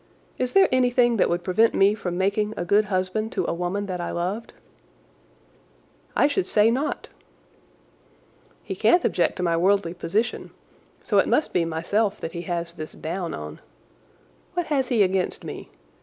Is there anything that would prevent me from making a good husband to a woman that I loved?" "I should say not." "He can't object to my worldly position, so it must be myself that he has this down on. What has he against me?